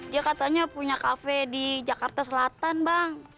dia katanya punya kafe di jakarta selatan bang